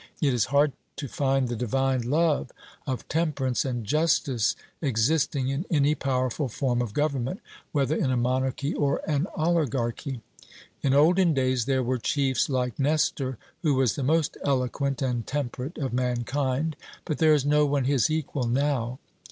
It is hard to find the divine love of temperance and justice existing in any powerful form of government, whether in a monarchy or an oligarchy. In olden days there were chiefs like Nestor, who was the most eloquent and temperate of mankind, but there is no one his equal now.